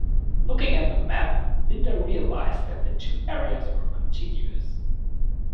Looking at the map, Linda realised that the two areas were contiguous.